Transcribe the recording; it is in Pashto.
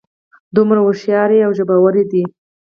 دومره هوښیارې او ژبورې دي.